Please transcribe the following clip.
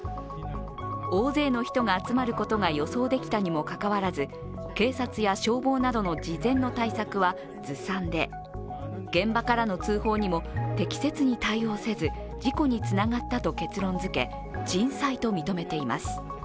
大勢の人が集まることが予想できたにもかかわらず警察や消防などの事前の対策はずさんで現場からの通報にも適切に対応せず事故につながったと結論づけ、人災と認めています。